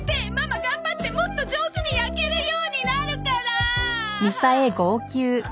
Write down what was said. ママ頑張ってもっと上手に焼けるようになるから！